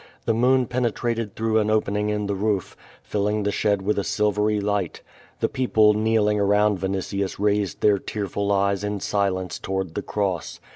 The moon penetrated through an opening in the roof, filling the shed with a silvery light. The people kneeling around Yinitius raised their tearful eyes in silence toward the cross.